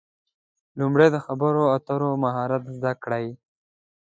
لومړی د خبرو اترو مهارت زده کړئ.